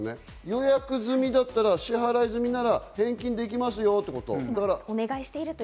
予約済みだったら、支払い済みなら返金できますよということ。